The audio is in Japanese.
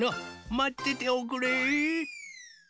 まってておくれ！